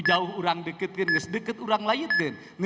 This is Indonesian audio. jauh orang deket kan deket orang layut kan